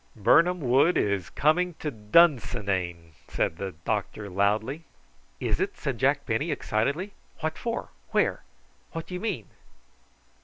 "Birnam wood is coming to Dunsinane," said the doctor loudly. "Is it?" said Jack Penny excitedly. "What for? Where? What do you mean?"